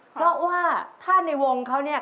เพราะว่าถ้าในวงเขาเนี่ย